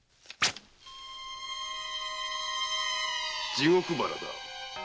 地獄花だ。